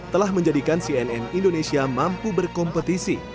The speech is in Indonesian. telah menjadikan cnn indonesia mampu berkompetisi